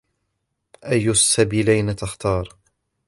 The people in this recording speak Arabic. أي السبيلين تختار ؟